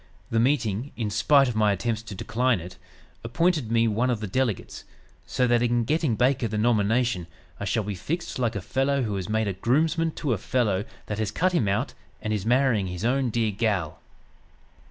The meeting, in spite of my attempts to decline it, appointed me one of the delegates, so that in getting Baker the nomination I shall be fixed like a fellow who is made a groomsman to a fellow that has cut him out, and is marrying his own dear 'gal.'"